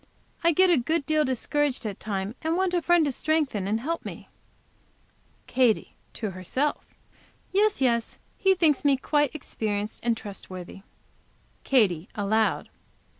I get a good deal discouraged at times, and want a friend to strengthen and help me." Katy, to herself. "Yes, yes, he thinks me quite experienced and trustworthy." Katy, aloud.